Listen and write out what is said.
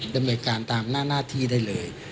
ดำเนินการตามหน้าที่ได้เลย